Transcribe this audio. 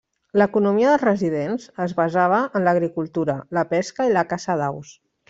L'economia dels residents es basava en l'agricultura, la pesca i la caça d'aus.